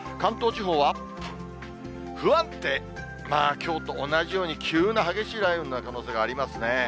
きょうと同じように、急な激しい雷雨になる可能性がありますね。